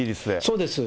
そうです。